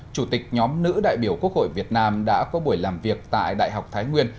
chủ tịch nhóm nữ đại biểu quốc hội việt nam đã có buổi làm việc tại đại học thái nguyên